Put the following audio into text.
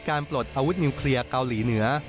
ปลดอาวุธนิวเคลียร์เกาหลีเหนือ